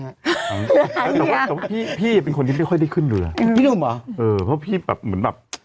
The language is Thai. หายยอดแต่ว่าพี่เป็นคนที่ไม่ค่อยได้ขึ้นเรือพี่ดุ่มเหรอเออเพราะว่าพี่แบบเหมือนแบบ